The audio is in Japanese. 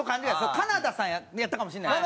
金田さんやったかもしれないです。